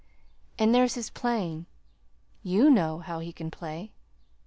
And there's his playing. YOU know how he can play."